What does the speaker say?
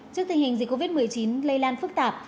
trước tình hình dịch covid một mươi chín lây lan phức tạp